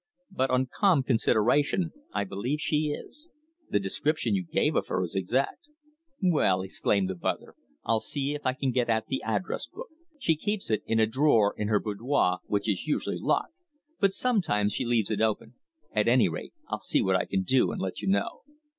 But on calm consideration I believe she is. The description you give of her is exact." "Well," exclaimed the butler, "I'll see if I can get at the address book. She keeps it in a drawer in her boudoir, which is usually locked. But sometimes she leaves it open. At any rate, I'll see what I can do and let you know."